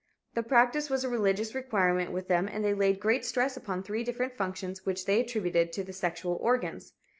The practice was a religious requirement with them and they laid great stress upon three different functions which they attributed to the sexual organs.